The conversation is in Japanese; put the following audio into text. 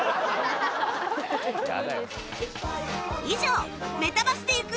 以上メタバスで行く！